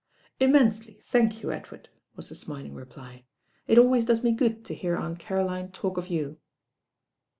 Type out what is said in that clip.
"Immensely, thank you, Edward," was the smil mg reply. "It always does me good to hear Aunt Caroline talk of you."